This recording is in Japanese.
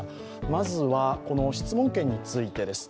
まずは、質問権についてです。